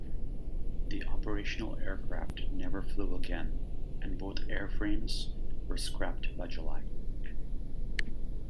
The operational aircraft never flew again, and both airframes were scrapped by July.